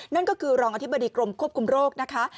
นั่นก็คือรองอธิบดีกรมควบคุมโรคนะคะ